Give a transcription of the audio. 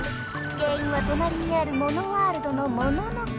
原いんはとなりにあるモノワールドのモノノ家。